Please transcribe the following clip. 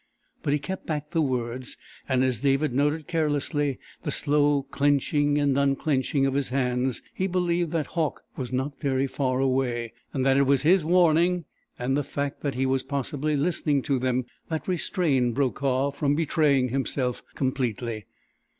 But he kept back the words, and as David noted carelessly the slow clenching and unclenching of his hands, he believed that Hauck was not very far away, and that it was his warning and the fact that he was possibly listening to them, that restrained Brokaw from betraying himself completely.